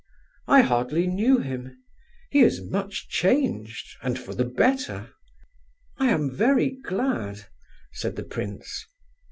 "I hardly knew him; he is much changed, and for the better!" "I am very glad," said the prince.